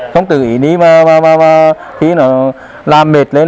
không tự ý đi và khi làm mệt lên là khó trở tay đừng ngồi chụp quang